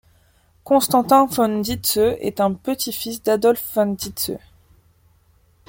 Constantin von Dietze est un petit-fils d'Adolph von Dietze.